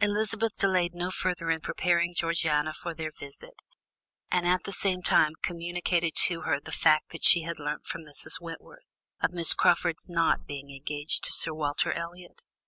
Elizabeth delayed no further in preparing Georgiana for their visit, and at same time communicated to her the fact which she had learnt from Mrs. Wentworth, of Miss Crawford's not being engaged to Sir Walter Elliot.